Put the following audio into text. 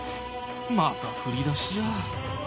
また振り出しじゃ。